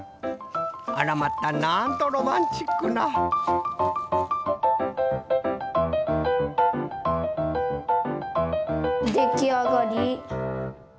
あらまたなんとロマンチックなできあがり。